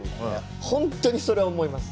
本当にそれは思います。